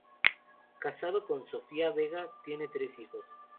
Casado con Sofía Vega, tiene tres hijos.